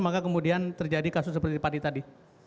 maka kemudian terjadi kasus seperti padi tadi